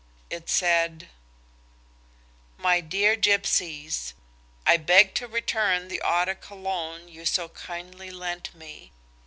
It said– "My dear Gipsies,–I beg to return the Eau de Cologne you so kindly lent me.